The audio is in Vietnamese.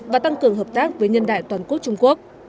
và tăng cường hợp tác với nhân đại toàn quốc trung quốc